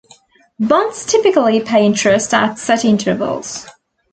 Bonds typically pay interest at set intervals.